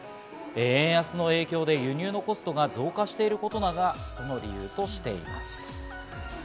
円安の影響で輸入のコストが増加していることなどがその理由としています。